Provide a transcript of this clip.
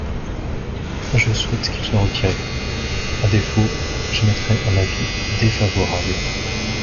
Je souhaite qu’il soit retiré ; à défaut, j’émettrai un avis défavorable.